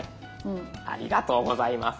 ありがとうございます。